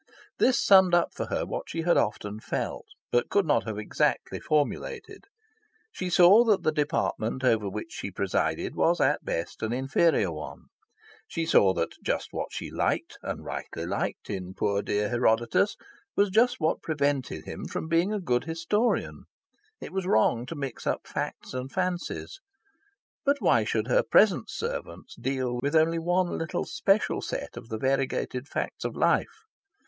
This summed up for her what she had often felt, but could not have exactly formulated. She saw that the department over which she presided was at best an inferior one. She saw that just what she had liked and rightly liked in poor dear Herodotus was just what prevented him from being a good historian. It was wrong to mix up facts and fancies. But why should her present servants deal with only one little special set of the variegated facts of life?